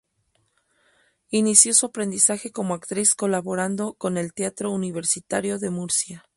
Inició su aprendizaje como actriz colaborando con el Teatro Universitario de Murcia.